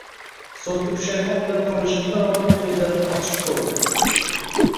Soʻnggi pushmon bilan qolishimdan oldin koʻzlarimni ochib qoʻydi